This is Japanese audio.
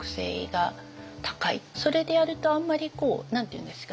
それでやるとあんまり何て言うんですかね